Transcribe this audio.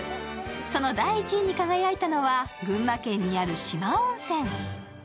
その第１位に輝いたのは群馬県にある四万温泉。